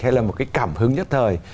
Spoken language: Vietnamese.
hay là một cái cảm hứng nhất thời